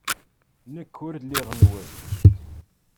Nekk ur lliɣ nwen.